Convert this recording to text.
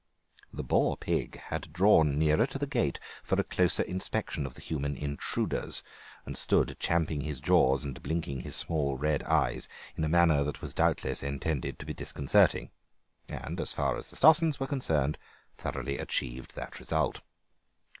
The boar pig had drawn nearer to the gate for a closer inspection of the human intruders, and stood champing his jaws and blinking his small red eyes in a manner that was doubtless intended to be disconcerting, and, as far as the Stossens were concerned, thoroughly achieved that result.